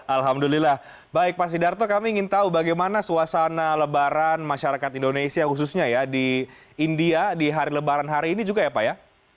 alhamdulillah baik pak sidarto kami ingin tahu bagaimana suasana lebaran masyarakat indonesia khususnya ya di india di hari lebaran hari ini juga ya pak ya